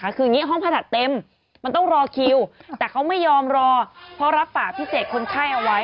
คืออย่างนี้ห้องผ่าตัดเต็มมันต้องรอคิวแต่เขาไม่ยอมรอเพราะรับฝากพิเศษคนไข้เอาไว้